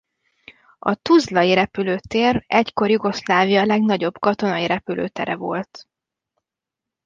A tuzlai repülőtér egykor Jugoszlávia legnagyobb katonai repülőtere volt.